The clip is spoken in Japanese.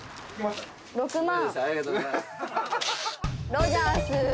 ロヂャース。